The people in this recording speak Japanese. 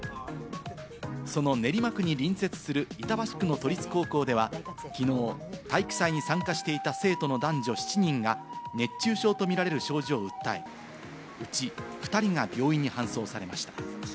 その練馬区に隣接する板橋区の都立高校ではきのう、体育祭に参加していた生徒の男女７人が熱中症とみられる症状を訴え、うち２人が病院に搬送されました。